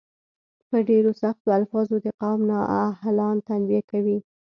په ډیرو سختو الفاظو د قوم نا اهلان تنبیه کوي.